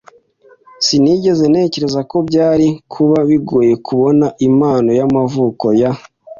Sinigeze ntekereza ko byari kuba bigoye kubona impano y'amavuko ya .